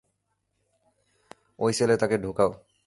ওই সেলে তাকে ডুকাও।